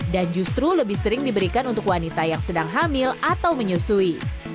dan justru lebih sering diberikan untuk wanita yang sedang hamil atau menyusui